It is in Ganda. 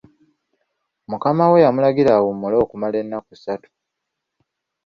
Mukama we yamulagira asooke awummule okumala ennaku ssatu.